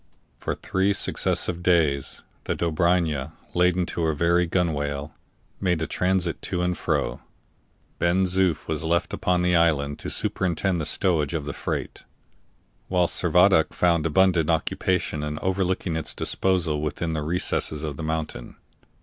For three successive days the Dobryna, laden to her very gunwale, made a transit to and fro. Ben Zoof was left upon the island to superintend the stowage of the freight, whilst Servadac found abundant occupation in overlooking its disposal within the recesses of the mountain.